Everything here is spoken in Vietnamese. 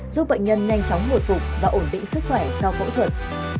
giúp bệnh nhân nhanh chóng hồi phục và ổn định sức khỏe sau phẫu thuật